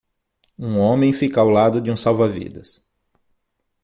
Um homem fica ao lado de um salva-vidas.